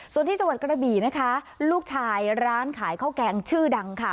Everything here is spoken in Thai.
ส่วนที่จังหวัดกระบี่นะคะลูกชายร้านขายข้าวแกงชื่อดังค่ะ